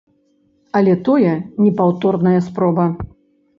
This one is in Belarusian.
Але тое непаўторная спроба.